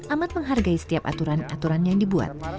amat menghargai setiap aturan aturan yang dibuat